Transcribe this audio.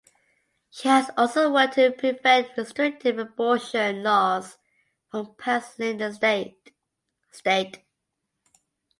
She has also worked to prevent restrictive abortion laws from passing in the state.